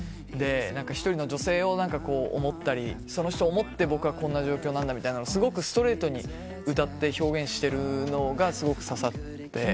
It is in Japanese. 一人の女性を思ったりその人を思って僕はこんな状況なんだみたいなのをすごくストレートに歌って表現してるのがすごく刺さって。